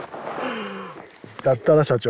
やったな社長。